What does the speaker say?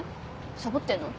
サボってんの？